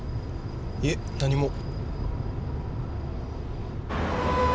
いえ何も。